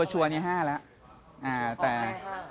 ชัวร์นี่๕แล้ว